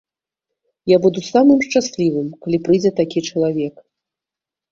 Я буду самым шчаслівым, калі прыйдзе такі чалавек.